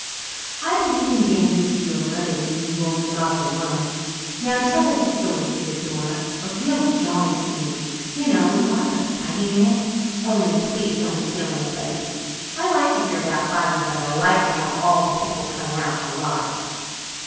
"I believe in being good to your mother when you've only got the one. Now tell us a story, Theodora a real jolly story, you know, with lots of fighting in it. Only please don't kill anybody. I like to hear about fighting, but I like to have all the people come out alive."